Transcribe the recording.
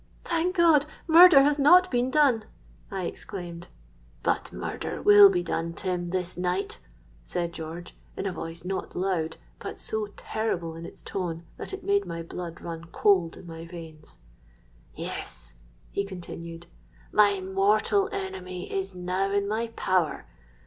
—'Thank God, murder has not been done!' I exclaimed.—'But murder will be done, Tim, this night,' said George, in a voice not loud, but so terrible in its tone that it made my blood run cold in my veins. 'Yes,' he continued, 'my mortal enemy is now in my power.